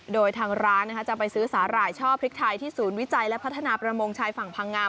โดยทางร้านจะไปซื้อสาหร่ายช่อพริกไทยที่ศูนย์วิจัยและพัฒนาประมงชายฝั่งพังงา